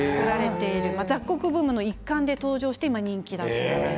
雑穀ブームの一環で登場して今、人気だそうです。